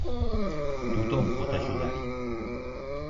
Tothom pot ajudar-hi!